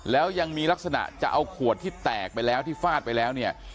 แล้วยังมีลักษณะจะเอาขวดที่แตกไปแล้วที่ฟาดไปแล้วเนี่ย